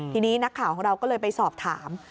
ทีนี้นักข่าวของเราก็เลยไปสอบถาม